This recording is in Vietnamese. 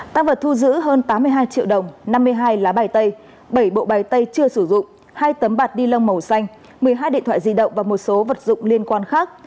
tăng vật thu giữ hơn tám mươi hai triệu đồng năm mươi hai lá bài tay bảy bộ bài tay chưa sử dụng hai tấm bạt ni lông màu xanh một mươi hai điện thoại di động và một số vật dụng liên quan khác